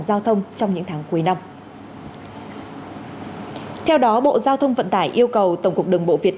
giao thông trong những tháng cuối năm theo đó bộ giao thông vận tải yêu cầu tổng cục đường bộ việt